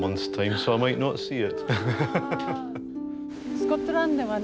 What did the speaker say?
スコットランドではね